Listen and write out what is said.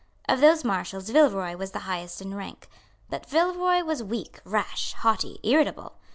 Of those Marshals Villeroy was the highest in rank. But Villeroy was weak, rash, haughty, irritable.